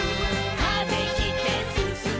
「風切ってすすもう」